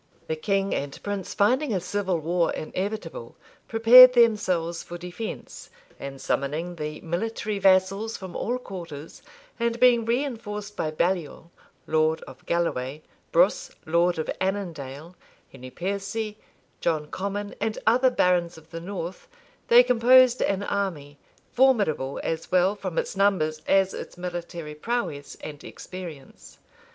The king and prince, finding a civil war inevitable, prepared themselves for defence; and summoning the military vassals from all quarters, and being reinforced by Baliol, lord of Galloway, Brus, lord of Annandale, Henry Piercy, John Comyn,[*] and other barons of the north, they composed an army, formidable as well from its numbers as its military prowess and experience.